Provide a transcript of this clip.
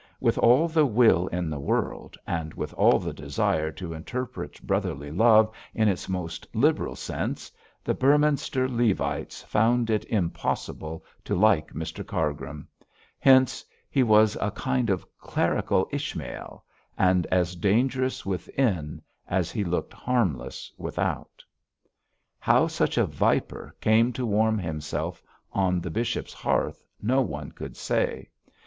With all the will in the world, with all the desire to interpret brotherly love in its most liberal sense, the Beorminster Levites found it impossible to like Mr Cargrim. Hence he was a kind of clerical Ishmael, and as dangerous within as he looked harmless without. How such a viper came to warm itself on the bishop's hearth no one could say.